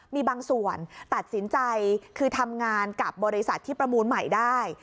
มีบางส่วนตัดสินใจคือทำงานกับบริษัทที่ประมูลใหม่ได้